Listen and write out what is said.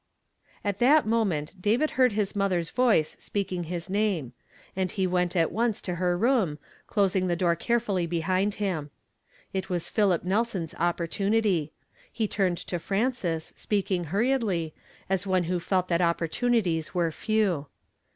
At that moment David heard his motln r's voice speaking liis name ; and he went at once to her room, closing the door carefully behind him. It was Philip Nelson's opportunity. He turned to Frances, speaking hurriedly, as one whu felt that opportunities were few